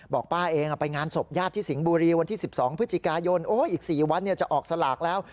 ป้าเองไปงานศพญาติที่สิงห์บุรีวันที่๑๒พฤศจิกายนอีก๔วันจะออกสลากแล้ว